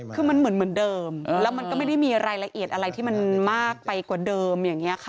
คือมันเหมือนเดิมแล้วมันก็ไม่ได้มีรายละเอียดอะไรที่มันมากไปกว่าเดิมอย่างนี้ค่ะ